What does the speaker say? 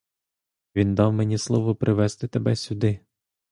Він дав мені слово привезти тебе сюди.